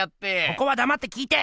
ここはだまって聞いて！